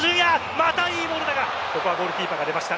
またいいボールだがここはゴールキーパーが出ました。